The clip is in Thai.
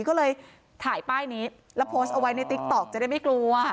ก็เลยถ่ายป้ายนี้แล้วโพสต์เอาไว้ในติ๊กต๊อกจะได้ไม่กลัว